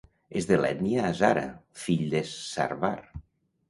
És de l'ètnia hazara, fill de Sarwar.